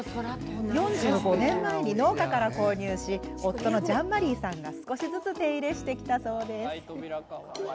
４５年前に農家から購入し夫のジャンマリーさんが少しずつ手入れしてきました。